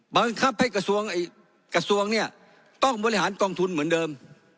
บังคับให้กระทรวงเนี่ยต้องบริหารกองทุนเหมือนเดิม